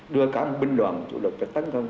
đưa cả một binh đoàn chủ lực để tấn công